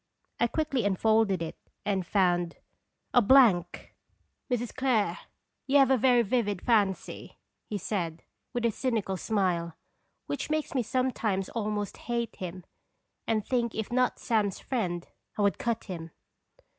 1 quickly unfolded it and found a blank ! 256 "QTlje Scconb QTarfc tains. 1 '" Mrs. Clare, you have a very vivid fancy," he said, with his cynical smile, which makes me sometimes almost hate him, and think if not Sam's friend I would cut him.